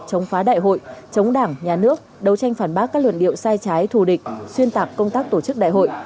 chống phá đại hội chống đảng nhà nước đấu tranh phản bác các luận điệu sai trái thù địch xuyên tạc công tác tổ chức đại hội